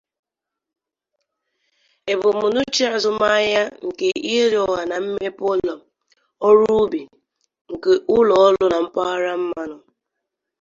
Ebumnuche azụmahịa nke Ihedioha na immepe ụlọ, ọrụ ubi, nke ụlọ ọrụ na mpaghara mmanụ.